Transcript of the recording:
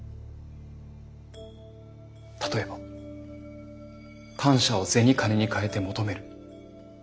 例えば感謝を銭金にかえて求める。